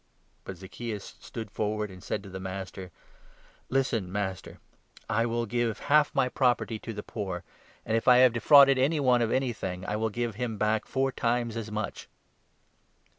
But Zacchaeus stood forward and said to the Master : 8 " Listen, Master ! I will give half my property to the poor, and, if I have defrauded any one of anything, I will give him back four times as much."